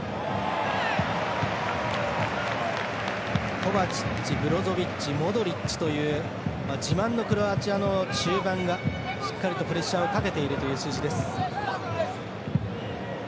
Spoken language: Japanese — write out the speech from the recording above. コバチッチ、ブロゾビッチモドリッチという自慢のクロアチアの中盤がしっかりとプレッシャーをかけているという数字です。